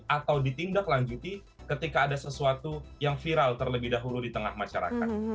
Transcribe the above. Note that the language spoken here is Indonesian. atau ditindaklanjuti ketika ada sesuatu yang viral terlebih dahulu di tengah masyarakat